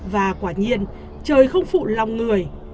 và quả nhiên trời không phụ lòng người